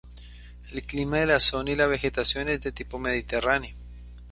El clima de la zona y la vegetación es de tipo mediterráneo.